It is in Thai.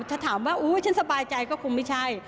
ถ้าถามว่าอุ๊ยฉันสบายใจก็คงไม่ใช่